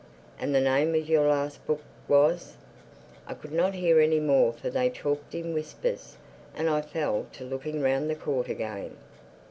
And the name of your last book was?" I could not hear any more for they talked in whispers; and I fell to looking round the court again.